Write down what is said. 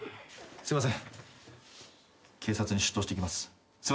すいません。